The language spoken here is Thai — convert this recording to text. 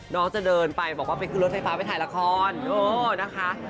น้องจะเดินไปบอกว่าไปขึ้นรถไฟฟ้าไปถ่ายละครนะคะ